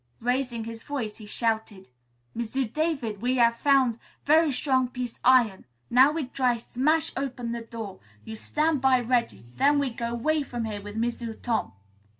Raising his voice he shouted, "M'sieu' David, we hav' foun' very strong piec' iron. Now we try smash open the door. You stan' by, ready. Then soon we go 'way from here with M'sieu' Tom."